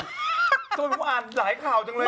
เอาสมมุติมาอ่านหลายข่าวจังเลยอ่ะ